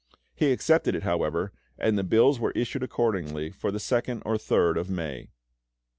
He accepted it, however, and the bills were issued accordingly for the 2nd or 3rd of May.